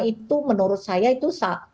itu menurut saya itu